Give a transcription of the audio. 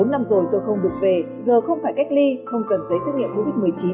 bốn năm rồi tôi không được về giờ không phải cách ly không cần giấy xét nghiệm covid một mươi chín